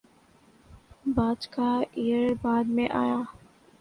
باچ کا ایئر بعد میں آیا